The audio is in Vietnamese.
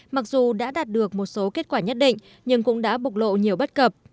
mặc dù đã đạt được một số kết quả nhất định nhưng cũng đã bục lộ nhiều bất cập